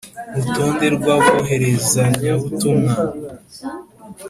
Rutonde rw aboherezanyabutumwa